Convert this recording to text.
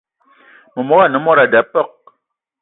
Memogo ane mod a da peuk.